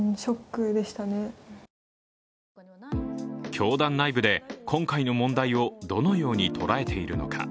教団内部で今回の問題をどのように捉えているのか。